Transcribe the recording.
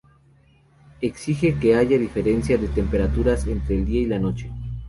Exige que haya diferencia de temperaturas entre el día y la noche.